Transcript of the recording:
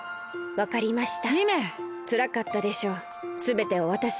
わかりました。